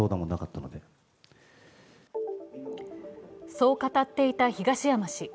そう語っていた東山氏。